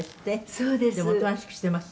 「そうです」